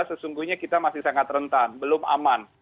sesungguhnya kita masih sangat rentan belum aman